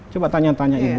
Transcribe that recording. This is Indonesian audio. coba tanya tanya ibu